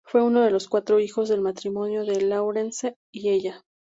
Fue uno de los cuatro hijos del matrimonio de Lawrence y Ella.